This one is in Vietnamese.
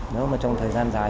nếu mà trong thời gian dài